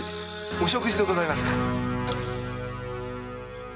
お食事でございますか？